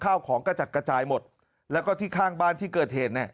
ข้าวของกระจัดกระจายหมดแล้วก็ที่ข้างบ้านที่เกิดเหตุเนี่ย